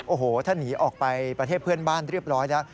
โอ้โหถ้าหนีออกไปประเทศเพื่อนบ้านเรียบร้อยแล้ว